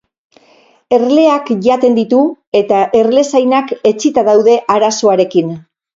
Erleak jaten ditu, eta erlezainak etsita daude arazoarekin.